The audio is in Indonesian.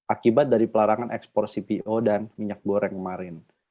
akibat dari pelarangan ekspor cpo dan minyak goreng kemarin